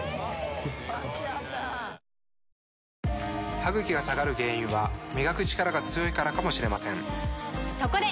歯ぐきが下がる原因は磨くチカラが強いからかもしれませんそこで！